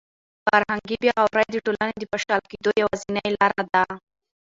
فرهنګي بې غوري د ټولنې د پاشل کېدو یوازینۍ لاره ده.